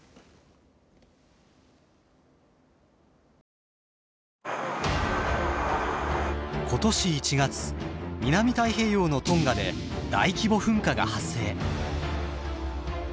今年１月南太平洋のトンガで大規模噴火が発生。